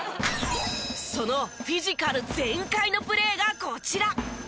そのフィジカル全開のプレーがこちら。